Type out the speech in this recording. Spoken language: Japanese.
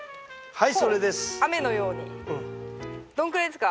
はい。